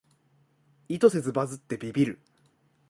意図せずバズってビビる